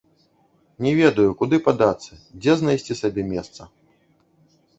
Не ведаю, куды падацца, дзе знайсці сабе месца.